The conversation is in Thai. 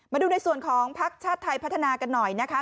มาดูในส่วนของพักชาติไทยพัฒนากันหน่อยนะคะ